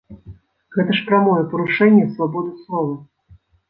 Гэта ж прамое парушэнне свабоды слова.